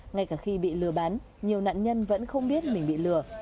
ngay cả khi bị lừa bán nhiều nạn nhân vẫn không biết mình bị lừa